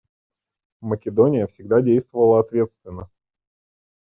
Македония всегда действовала ответственно.